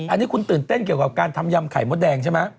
อันนี้คุณตื่นเต้นเกี่ยวกับการทำยำไข่มดแดงใช่ไหม